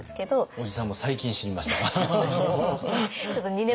おじさんも最近知りました。